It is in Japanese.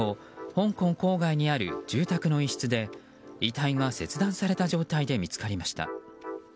香港郊外にある住宅の一室で遺体が切断された状態で見つかりました。